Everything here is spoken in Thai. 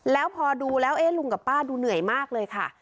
แล้วพอดูแล้วลุงกับป้าดูเหนื่อยมากเลยค่ะ